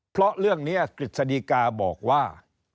เพราะเรื่องนี้กฤษฎีกาบอกว่า